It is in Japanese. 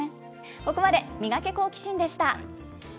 ここまでミガケ、好奇心！でした。